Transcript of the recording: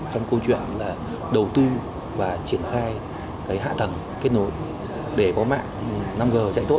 trong câu chuyện là đầu tư và triển khai hạ tầng kết nối để có mạng năm g chạy tốt